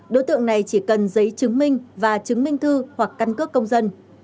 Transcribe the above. đối tượng này chỉ cần giấy chứng minh và chứng minh thư hoặc căn cước công dân